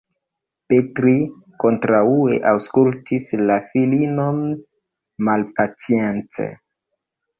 Petri, kontraŭe, aŭskultis la filinon malpacience.